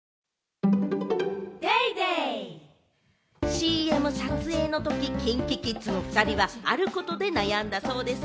ＣＭ撮影の時、ＫｉｎＫｉＫｉｄｓのお２人はあることで悩んだそうです。